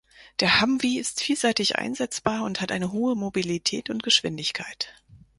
Der Humvee ist vielseitig einsetzbar und hat eine hohe Mobilität und Geschwindigkeit.